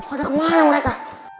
ada kemana mereka